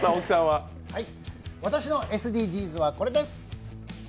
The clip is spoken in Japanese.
私のＳＤＧｓはこれです。